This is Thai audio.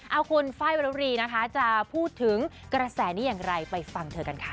เอาคุณไฟล์วรรีนะคะจะพูดถึงกระแสนี้อย่างไรไปฟังเธอกันค่ะ